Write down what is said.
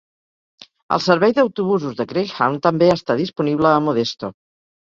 El servei d'autobusos de Greyhound també està disponible a Modesto.